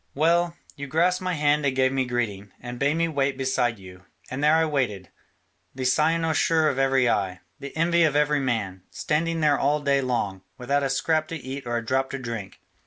Well, you grasped my hand and gave me greeting, and bade me wait beside you, and there I waited, the cynosure of every eye, the envy of every man, standing there all day long, without a scrap to eat or a drop to drink.